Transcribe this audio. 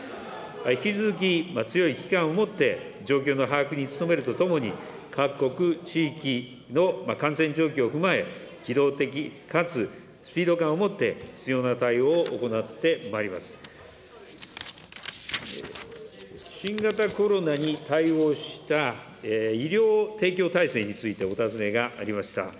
引き続き強い危機感を持って、状況の把握に努めるとともに、各国地域の感染状況を踏まえ、機動的かつスピード感を持って、必要な対応を行ってまいります。新型コロナに対応した医療提供体制について、お尋ねがありました。